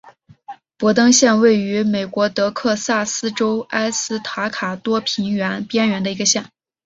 博登县位美国德克萨斯州埃斯塔卡多平原边缘的一个县。